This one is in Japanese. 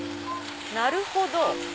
なるほど。